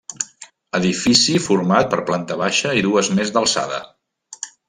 Edifici format per planta baixa i dues més d'alçada.